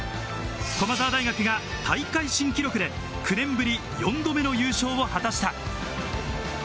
駒澤大学が大会新記録で９年ぶり４度目の優勝を果たした。